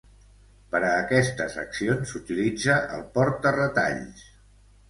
Per a aquestes accions s'utilitza el porta-retalls.